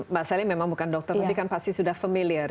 mbak salim memang bukan dokter tapi kan pasti sudah familiar